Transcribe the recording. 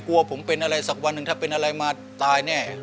กลัวผมเป็นอะไรสักวันหนึ่งถ้าเป็นอะไรมาตายแน่